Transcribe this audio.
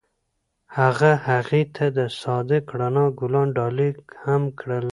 هغه هغې ته د صادق رڼا ګلان ډالۍ هم کړل.